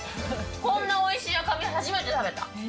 こんなおいしい赤身初めて食べた。